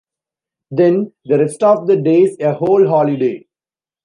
Then the rest of the day's a whole holiday.